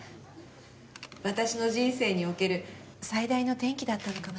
私の人生における最大の転機だったのかもしれません。